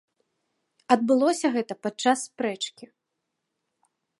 Адбылося гэта падчас спрэчкі.